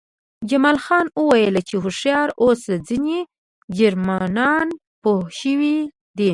جمال خان وویل چې هوښیار اوسه ځینې جرمنان پوه شوي دي